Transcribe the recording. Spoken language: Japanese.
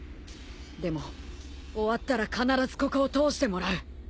でも終わったら必ずここを通してもらう。